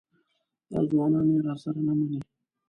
دا ځوانان یې راسره نه مني.